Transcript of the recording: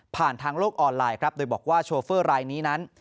ทางโลกออนไลน์ครับโดยบอกว่าโชเฟอร์รายนี้นั้น